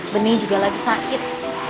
bening juga lagi sakit